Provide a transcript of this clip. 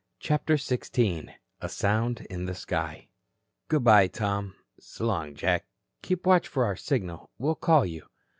CHAPTER XVI A SOUND IN THE SKY "Good bye, Tom." "S'long, Jack." "Keep a watch for our signal. We'll call you."